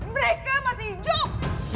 mereka masih hidup